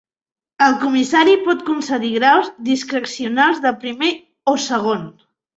El comissari pot concedir graus discrecionals de primer o segon.